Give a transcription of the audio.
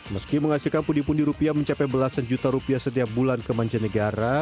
meski menghasilkan pudi pudi rupiah mencapai belasan juta rupiah setiap bulan kemanca negara